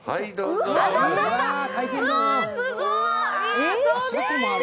うわー、すごい。